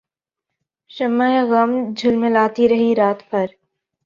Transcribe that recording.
شمع غم جھلملاتی رہی رات بھر